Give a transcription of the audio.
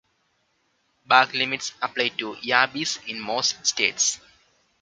Bag limits apply to yabbies in most states.